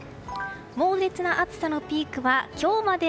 猛烈な暑さのピークは今日まで。